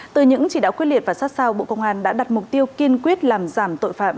từ những chỉ đạo quyết liệt và sát sao bộ công an đã đặt mục tiêu kiên quyết làm giảm tội phạm